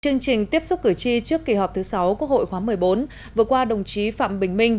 chương trình tiếp xúc cử tri trước kỳ họp thứ sáu quốc hội khóa một mươi bốn vừa qua đồng chí phạm bình minh